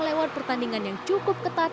lewat pertandingan yang cukup ketat